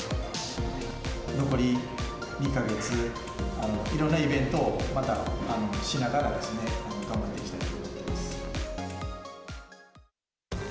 残り２か月、いろんなイベントをまたしながらですね、頑張っていきたいと思ってます。